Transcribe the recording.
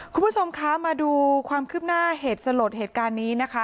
คุณผู้ชมคะมาดูความคืบหน้าเหตุสลดเหตุการณ์นี้นะคะ